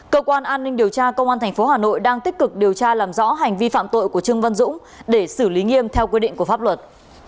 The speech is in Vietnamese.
cơ quan an ninh điều tra công an tp hà nội đang tích cực điều tra làm rõ hành vi phạm tội của trương văn dũng để xử lý nghiêm theo quy định của pháp luật